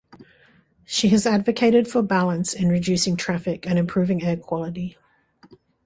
She has advocated for balance in reducing traffic and improving air quality.